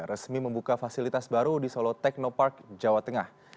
resmi membuka fasilitas baru di solo technopark jawa tengah